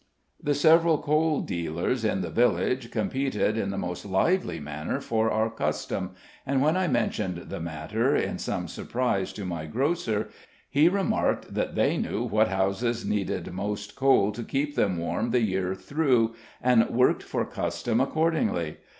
The several coal dealers in the village competed in the most lively manner for our custom, and when I mentioned the matter, in some surprise, to my grocer, he remarked that they knew what houses needed most coal to keep them warm the year through, and worked for custom accordingly.